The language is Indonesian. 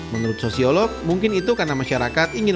menurut sosiolog mungkin itu karena masyarakat ingin